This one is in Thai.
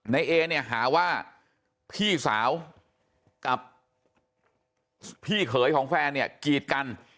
ในเอเนี่ยหาว่าพี่สาวกับพี่เขยของแฟนเนี่ยกีดกัน